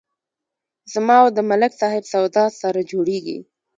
زما او د ملک صاحب سودا سره جوړیږي.